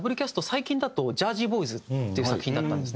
最近だと『ジャージー・ボーイズ』っていう作品だったんですね。